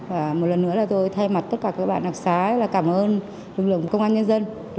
và một lần nữa là tôi thay mặt tất cả các bạn đặc xá là cảm ơn lực lượng công an nhân dân